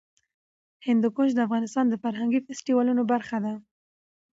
هندوکش د افغانستان د فرهنګي فستیوالونو برخه ده.